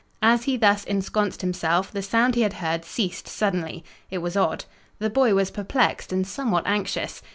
As he thus ensconced himself, the sound he had heard ceased suddenly. It was odd. The boy was perplexed and somewhat anxious.